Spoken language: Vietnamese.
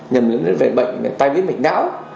nhầm lẫn đến bệnh về tai biến bệnh não